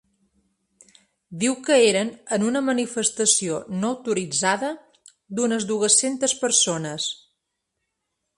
Diu que eren en una ‘manifestació no autoritzada’ d’unes dues-centes persones.